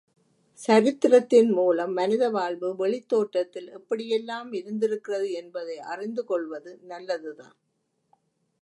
சரித்திரத்தின் மூலம் மனித வாழ்வு வெளித் தோற்றத்தில் எப்படி யெல்லாம் இருந்திருக்கிறது என்பதை அறிந்துகொள்வது நல்லதுதான்.